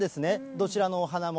どちらのお花も。